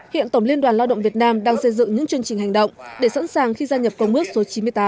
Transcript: hiện tổng liên đoàn lao động việt nam đang xây dựng những chương trình hành động để sẵn sàng khi gia nhập công ước số chín mươi tám